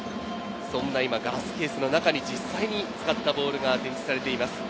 そんなガラスケースの中に実際に使ったボールが展示されています。